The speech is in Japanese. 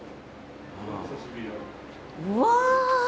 うわ。